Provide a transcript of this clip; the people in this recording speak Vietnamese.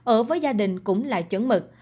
ở với gia đình cũng là chấn mực